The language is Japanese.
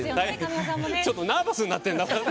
ちょっとナーバスになっていますね。